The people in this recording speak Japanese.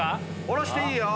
下ろしていいよ。